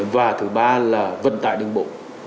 và thứ ba là vận tải đường bộ